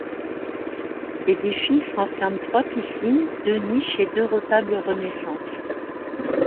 L'édifice renferme trois piscines, deux niches et deux retables Renaissance.